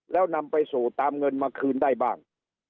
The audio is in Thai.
แล้วนำไปสู่ตามเงินมาคืนได้บ้าง